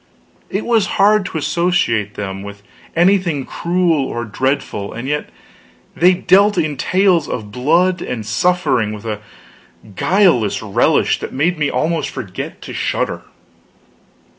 It was hard to associate them with anything cruel or dreadful; and yet they dealt in tales of blood and suffering with a guileless relish that made me almost forget to shudder.